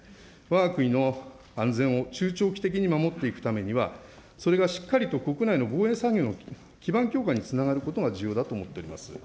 わが国の安全を中長期的に守っていくためには、それがしっかりと国内の防衛産業の基盤強化につながることが重要だと思っております。